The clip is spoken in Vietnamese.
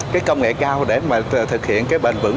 cái công nghệ cao để mà thực hiện cái bền vững